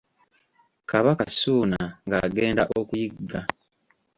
Kabaka Ssuuna ng’agenda okuyigga.